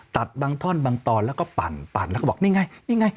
ตัดบางท่อนบางตอนแล้วก็ปั่นแล้วก็บอกนี่ไงนี่ไง